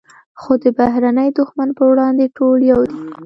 خو د بهرني دښمن پر وړاندې ټول یو دي.